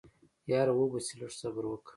يره وبه شي لږ صبر وکه.